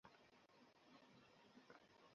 ওখান থেকে আসছে শব্দটা!